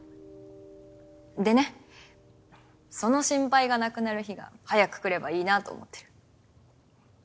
でねその心配がなくなる日が早く来ればいいなと思ってる。